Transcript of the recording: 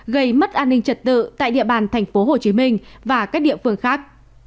gây mất an ninh trật tự tại địa bàn tp hcm và các địa phương khác